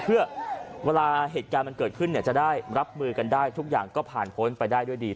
เพื่อเวลาเหตุการณ์มันเกิดขึ้นเนี่ยจะได้รับมือกันได้ทุกอย่างก็ผ่านพ้นไปได้ด้วยดี